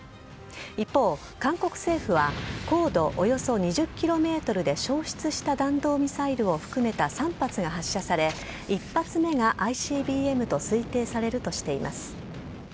一方、韓国政府は高度およそ２０ｋｍで消失した弾道ミサイルを含めた３発が発射され１発目がＩＣＢＭと推定されるとしています。